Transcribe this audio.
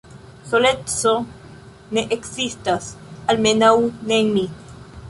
Soleco ne ekzistas, almenaŭ ne en mi.